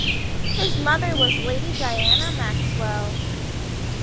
His mother was Lady Diana Maxwell.